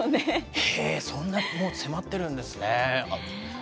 そんなもう迫ってるんですね。